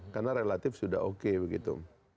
karena relatif sudah oke begitu